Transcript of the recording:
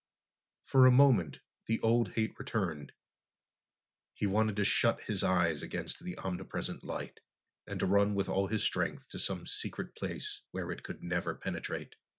For a moment the old hate returned. He wanted to shut his eyes against that omnipresent light and to run with all his strength to some secret place where it could never penetrate.